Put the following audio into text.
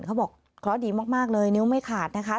เขาบอกเคราะห์ดีมากเลยนิ้วไม่ขาดนะคะ